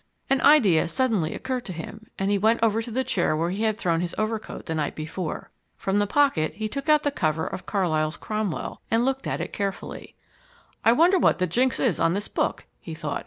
An idea suddenly occurred to him, and he went over to the chair where he had thrown his overcoat the night before. From the pocket he took out the cover of Carlyle's Cromwell, and looked at it carefully. "I wonder what the jinx is on this book?" he thought.